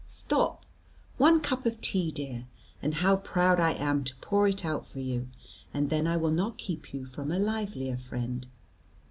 Stop one cup of tea, dear, and how proud I am to pour it out for you and then I will not keep you from a livelier friend.